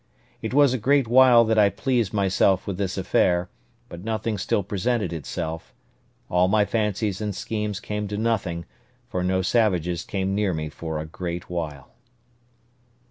It was a great while that I pleased myself with this affair; but nothing still presented itself; all my fancies and schemes came to nothing, for no savages came near me for a great while.